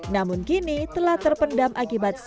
namun kini telah terpendam akibat virus